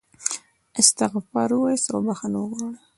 استغفار ووایاست او بخښنه وغواړئ.